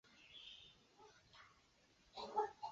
产物仍然是邻或对羟基芳酮。